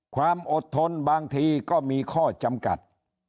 ความอดทนบางทีก็มีข้อจำกัด